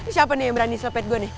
siapa nih merani sepet gue nih